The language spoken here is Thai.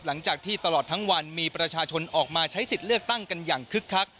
หลังจากที่ตลอดทั้งวันมีประชาชนออกมาใช้สิทธิ์เลือกตั้งกันอย่างคึกคัก